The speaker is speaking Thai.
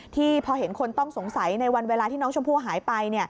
ที่พอเห็นคนต้องสงสัยในวันเวลาที่น้องชมพู่หายไป